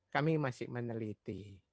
kami masih meneliti